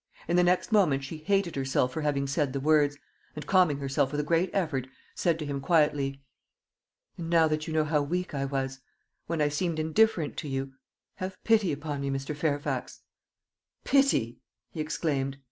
In the next moment she hated herself for having said the words, and calming herself with a great effort, said to him quietly. "And now that you know how weak I was, when I seemed indifferent to you, have pity upon me, Mr. Fairfax." "Pity!" he exclaimed.